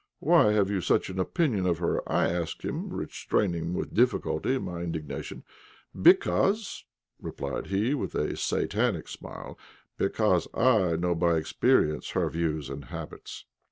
"Why have you such an opinion of her?" I asked him, restraining with difficulty my indignation. "Because," replied he, with a satanic smile, "because I know by experience her views and habits."